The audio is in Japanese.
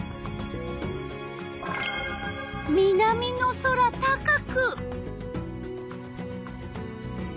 南の空高く。